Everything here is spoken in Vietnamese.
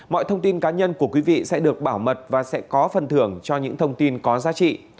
mọi thông tin cá nhân của quý vị sẽ được bảo mật và sẽ có phần thưởng cho những thông tin có giá trị